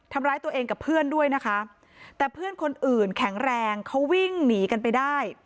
ทำร้ายตัวเองกับเพื่อนด้วยนะคะแต่เพื่อนคนอื่นแข็งแรงเขาวิ่งหนีกันไปได้